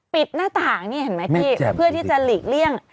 ปิดหน้าต่างเพื่อที่จะหลีกเลี่ยง